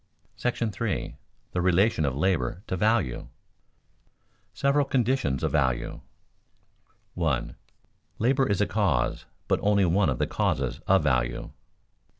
§ III. THE RELATION OF LABOR TO VALUE [Sidenote: Several conditions of value] 1. _Labor is a cause, but only one of the causes of value.